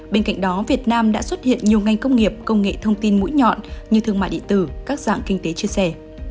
bên cạnh đó việt nam đã xuất hiện nhiều ngành công nghiệp công nghệ thông tin mũi nhọn như thương mại điện tử các dạng kinh tế chia sẻ